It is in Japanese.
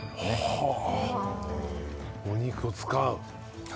はぁお肉を使う。